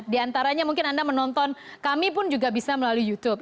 di antaranya mungkin anda menonton kami pun juga bisa melalui youtube